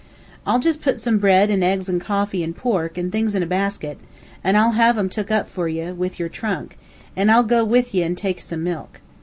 "I'll jist put some bread, an' eggs, an' coffee, an' pork, an' things in a basket, an' I'll have 'em took up fur ye, with yer trunk, an' I'll go with ye an' take some milk.